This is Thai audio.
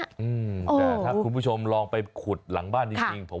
ได้ครับคุณผู้ชมลองไปขุดหลังบ้านอย่างเงี้ย